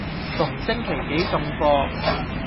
逢星期幾送貨？